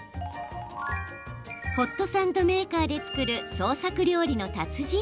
ホットサンドメーカーで作る創作料理の達人。